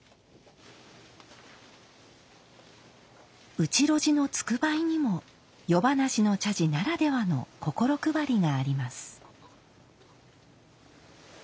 内露地のつくばいにも夜咄の茶事ならではの心配りがあります。